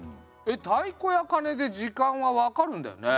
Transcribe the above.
太鼓や鐘で時間は分かるんだよね。